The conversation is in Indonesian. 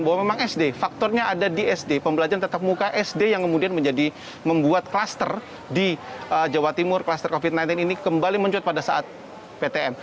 bahwa memang sd faktornya ada di sd pembelajaran tetap muka sd yang kemudian menjadi membuat klaster di jawa timur kluster covid sembilan belas ini kembali mencuat pada saat ptm